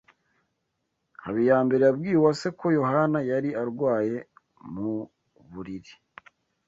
Habiyambere yabwiye Uwase ko Yohana yari arwaye mu buriri.